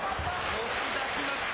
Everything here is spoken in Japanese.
押し出しました。